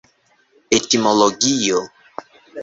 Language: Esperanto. etimologio